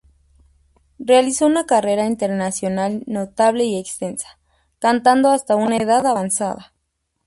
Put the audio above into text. Realizó una carrera internacional notable y extensa, cantando hasta una edad avanzada.